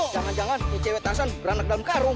jangan jangan ini cewek tarzan beranak dalam karung